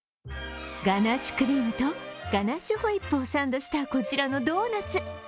ガナッシュクリームとガナッシュホイップをサンドしたこちらのドーナツ。